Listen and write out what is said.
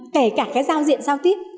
kể cả cái giao diện giao tiếp